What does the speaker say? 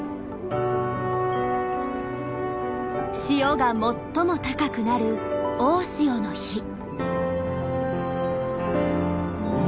潮が最も高くなる大潮の日。